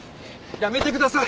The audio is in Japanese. やめてください。